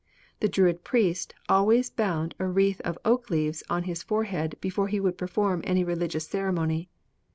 The Druid priest always bound a wreath of oak leaves on his forehead before he would perform any religious ceremony.